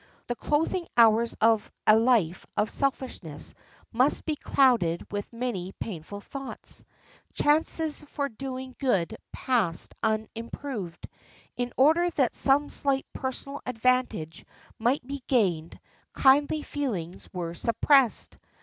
The closing hours of a life of selfishness must be clouded with many painful thoughts. Chances for doing good passed unimproved. In order that some slight personal advantage might be gained kindly feelings were suppressed.